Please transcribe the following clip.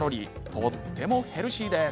とってもヘルシーです。